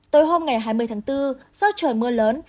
tới hôm ngày hai mươi tháng bốn do trời mưa lớn